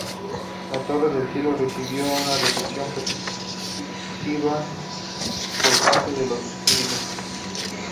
La Torre del Cielo recibió una recepción positiva por parte de los críticos.